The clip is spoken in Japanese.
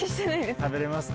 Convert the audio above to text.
食べられますか？